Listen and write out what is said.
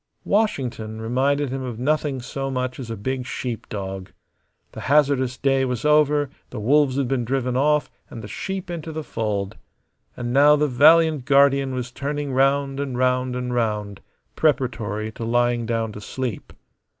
Washington reminded him of nothing so much as a big sheep dog. The hazardous day was over; the wolves had been driven off and the sheep into the fold; and now the valiant guardian was turning round and round and round preparatory to lying down to sleep.